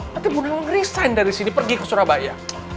nanti bu nawang ngeresign dari sini pergi ke surabaya